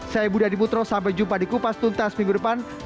saya budi adiputro sampai jumpa di kupas tuntas minggu depan